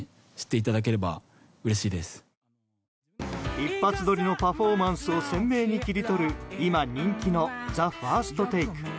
一発撮りのパフォーマンスを鮮明に切り取る今人気の「ＴＨＥＦＩＲＳＴＴＡＫＥ」。